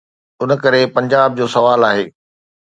ان ڪري پنجاب جو سوال آهي.